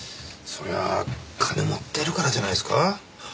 そりゃあ金持ってるからじゃないですか？